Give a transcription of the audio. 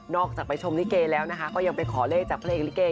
นอกจากไปชมลิเกย์แล้วนะคะก็ยังไปขอเลขจากพระเอกลิเกย์